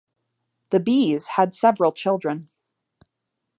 The Bees had several children.